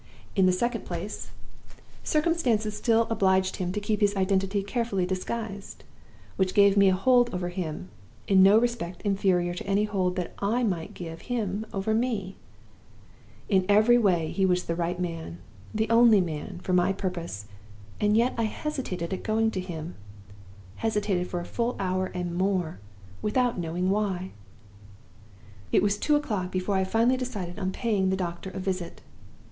In the second place, circumstances still obliged him to keep his identity carefully disguised, which gave me a hold over him in no respect inferior to any hold that I might give him over me. In every way he was the right man, the only man, for my purpose; and yet I hesitated at going to him hesitated for a full hour and more, without knowing why! "It was two o'clock before I finally decided on paying the doctor a visit.